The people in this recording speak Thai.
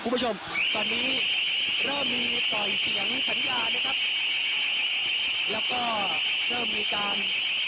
คุณผู้ชมตอนนี้เริ่มมีต่อยเสียงสัญญานะครับแล้วก็เริ่มมีการ